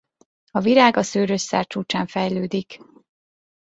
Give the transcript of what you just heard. A virág a szőrös szár csúcsán fejlődik.